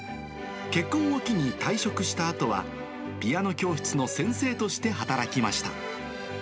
結婚を機に退職したあとは、ピアノ教室の先生として働きました。